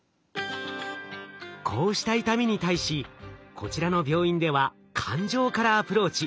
こうした痛みに対しこちらの病院では感情からアプローチ。